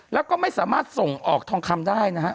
แล้วก็ไม่สามารถส่งออกทองคำได้นะฮะ